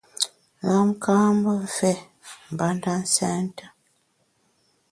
Lam ka’ mbe mfé mbanda nsènte.